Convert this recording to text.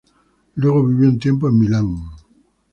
Luego vivió un tiempo en Milán.